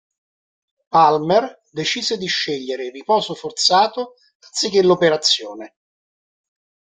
Palmer decise di scegliere il riposo forzato anziché l'operazione.